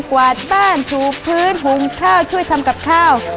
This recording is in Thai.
วาดบ้านถูพื้นหุงข้าวช่วยทำกับข้าว